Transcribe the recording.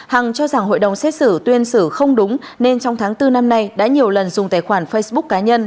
hằng cho rằng hội đồng xét xử tuyên xử không đúng nên trong tháng bốn năm nay đã nhiều lần dùng tài khoản facebook cá nhân